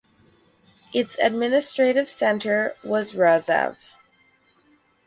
Its administrative centre was Rzhev.